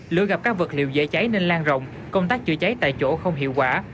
lửa gặp các vật liệu dễ cháy nên lan rộng công tác chữa cháy tại chỗ không hiệu quả